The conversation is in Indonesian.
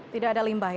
tidak ada limbah ya